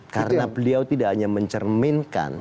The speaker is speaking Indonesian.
karena beliau tidak hanya mencermin